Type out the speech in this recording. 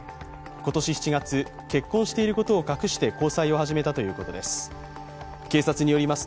今年７月、結婚していることを隠して交際を始めたということです